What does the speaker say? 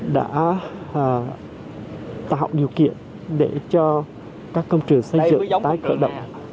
đã tạo điều kiện để cho các công trình xây dựng tái khởi động